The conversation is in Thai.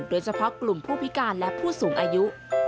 โดยเฉพาะกลุ่มผู้พิการและผู้สูงอายุ